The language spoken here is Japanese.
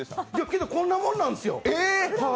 けどこんなもんなんですよ